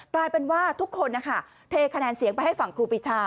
กลายเป็นว่าทุกคนนะคะเทคะแนนเสียงไปให้ฝั่งครูปีชา